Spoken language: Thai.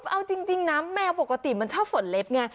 เอาจริงนะแมวปกติมันชอบฝนเล็บไง